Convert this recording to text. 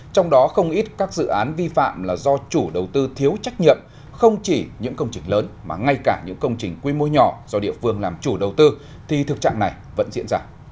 trong đó không ít các dự án vi phạm là do chủ đầu tư thiếu trách nhiệm không chỉ những công trình lớn mà ngay cả những công trình quy mô nhỏ do địa phương làm chủ đầu tư thì thực trạng này vẫn diễn ra